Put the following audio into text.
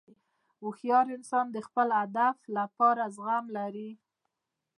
هوښیار انسان د خپل هدف لپاره زغم لري.